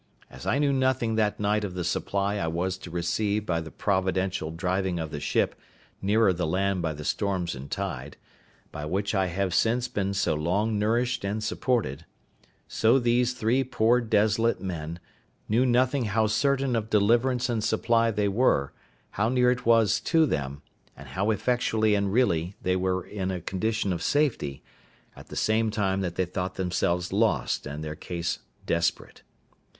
As I knew nothing that night of the supply I was to receive by the providential driving of the ship nearer the land by the storms and tide, by which I have since been so long nourished and supported; so these three poor desolate men knew nothing how certain of deliverance and supply they were, how near it was to them, and how effectually and really they were in a condition of safety, at the same time that they thought themselves lost and their case desperate.